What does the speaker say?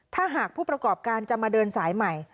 ถ้าหากผู้ประกอบการจะมาเดินสายใหม่